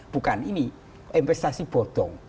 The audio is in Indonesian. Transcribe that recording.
bukan ini investasi bodong